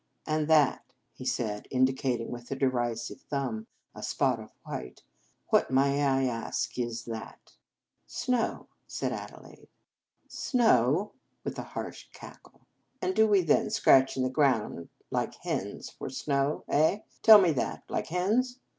" And that," he said, indicating with a derisive thumb a spot of white, " what, may I ask, is that?" "Snow," said Adelaide. 244 The Game of Love "Snow!" with a harsh cackle. "And do we then scratch in the ground like hens for snow? Eh! tell me that! Like hens